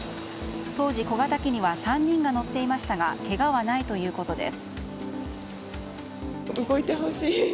当時、小型機には３人が乗っていましたがけがはないということです。